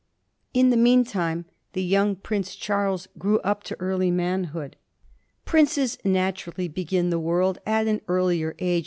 In the mean time the young Prince Charles grew up to early manhood. Princes naturally begin the world at an earlier age.